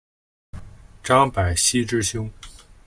张百熙之兄。